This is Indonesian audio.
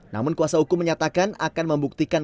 namun kuasa hukum menyatakan akan membuktikan